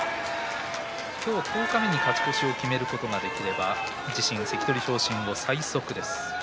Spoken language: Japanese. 今日、十日目に勝ち越しを決めることができれば自身関取昇進後、最速です。